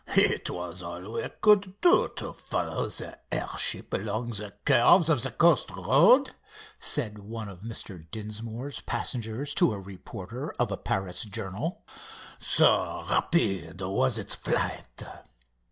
"It was all we could do to follow the air ship along the curves of the coast road," said one of Mr Dinsmore's passengers to the reporter of a Paris journal, "so rapid was its flight.